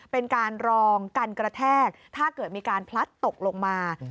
เป็นการรองกันกระแทกถ้าเกิดมีการพลัดตกลงมา